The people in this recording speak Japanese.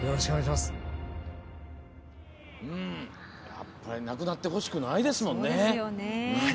やっぱりなくなってほしくないですもんね。